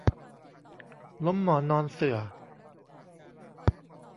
ล้มหมอนนอนเสื่อ